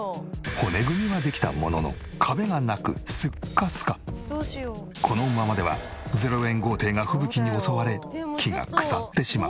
骨組みはできたもののこのままでは０円豪邸が吹雪に襲われ木が腐ってしまう。